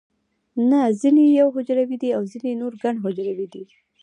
نه ځینې یو حجروي دي او ځینې نور ګڼ حجروي دي